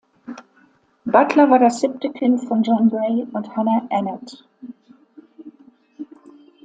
Butler war das siebte Kind von John Grey und Hannah Annett.